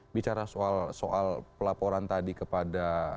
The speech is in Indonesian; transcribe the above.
bicara soal pelaporan tadi kepada